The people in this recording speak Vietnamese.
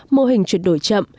mô hình chuyển đổi chậm